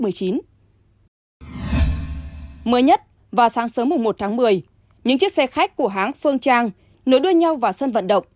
mới nhất vào sáng sớm một tháng một mươi những chiếc xe khách của hãng phương trang nối đuôi nhau vào sân vận động